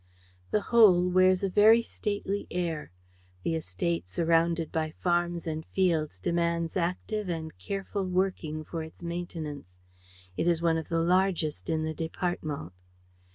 The whole wears a very stately air. The estate, surrounded by farms and fields, demands active and careful working for its maintenance. It is one of the largest in the department.